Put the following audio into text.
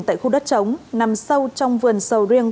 tại khu đất trống nằm sâu trong vườn sầu riêng